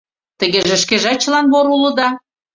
Тыгеже шкежат чылан вор улыда!